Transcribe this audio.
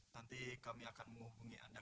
nanti kami akan menghuni anakmu